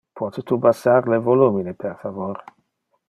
Pote tu bassar le volumine per favor?